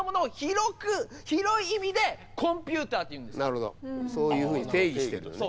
なるほどそういうふうに定義してるのね。